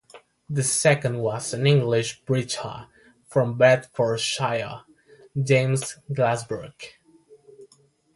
The second was an English preacher from Bedfordshire, James Glasbrook.